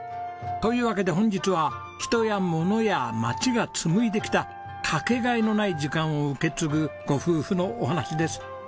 というわけで本日は人や物や町が紡いできたかけがえのない時間を受け継ぐご夫婦のお話です。